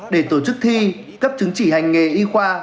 để tổ chức thi cấp chứng chỉ hành nghề y khoa